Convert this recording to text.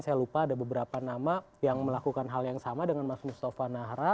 saya lupa ada beberapa nama yang melakukan hal yang sama dengan mas mustafa nahra